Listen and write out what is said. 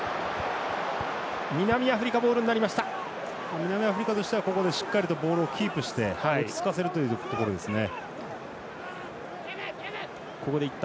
南アフリカとしてはここでしっかりとボールをキープして落ち着かせるということですね。